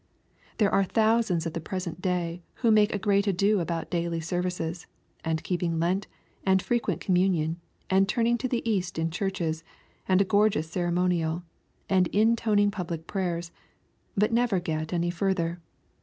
There are thousands at the present day who make a great ado about daily services, and keeping Lent, and frequent communion, and turning to the east in churches, and a gorgeous ceremonial, and intoning pub lic prayers, — but never get any further.